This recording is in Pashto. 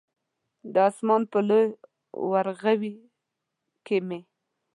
د اسمان په لوی ورغوي کې مې